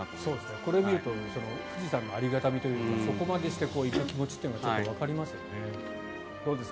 これを見ると富士山のありがたみというかそこまでして行く気持ちがわかりますね。